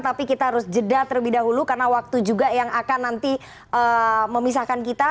tapi kita harus jeda terlebih dahulu karena waktu juga yang akan nanti memisahkan kita